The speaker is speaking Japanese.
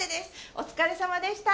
お疲れさまでした。